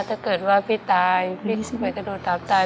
ถ้าเกิดว่าพี่ตายพี่จะไปกระดูกตามตาย